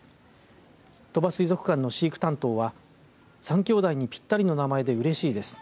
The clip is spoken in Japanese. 鳥羽水族館の飼育担当は３兄弟にぴったりの名前でうれしいです。